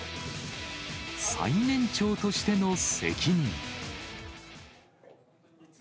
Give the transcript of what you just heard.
最年長としての責任。